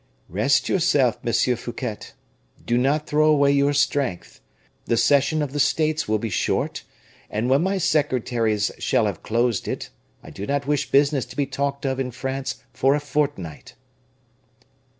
"Rest yourself, Monsieur Fouquet, do not throw away your strength; the session of the States will be short, and when my secretaries shall have closed it, I do not wish business to be talked of in France for a fortnight."